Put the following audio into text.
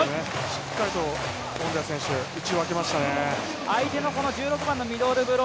しっかりと小野寺選手、打ち分けましたね。